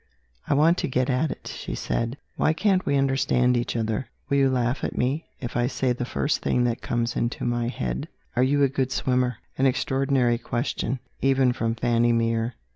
"I want to get at it," she said. "Why can't we understand each other? Will you laugh at me, if I say the first thing that comes into my head? Are you a good swimmer?" An extraordinary question, even from Fanny Mere.